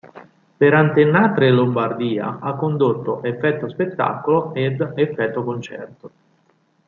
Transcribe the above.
Per Antennatre Lombardia ha condotto "Effetto spettacolo" ed "Effetto concerto".